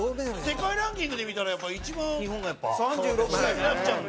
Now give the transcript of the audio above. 世界ランキングで見たら一番日本がやっぱ下になっちゃうんだ。